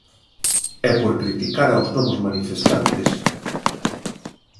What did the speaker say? E por criticar aos novos manifestantes.